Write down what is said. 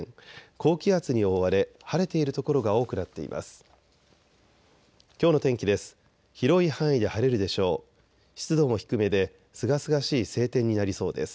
高気圧に覆われ晴れている所が多くなっています。